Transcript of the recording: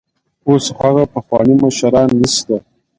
اوس هغه پخواني مشران نشته.